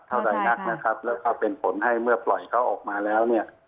ใดนักนะครับแล้วก็เป็นผลให้เมื่อปล่อยเขาออกมาแล้วเนี่ย